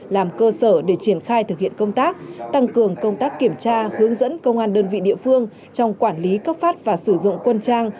làm cơ sở để triển khai thực hiện công tác tăng cường công tác kiểm tra hướng dẫn công an đơn vị địa phương trong quản lý cấp phát và sử dụng quân trang